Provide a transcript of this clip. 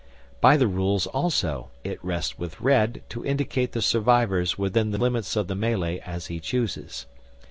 By the rules also it rests with Red to indicate the survivors within the limits of the melee as he chooses.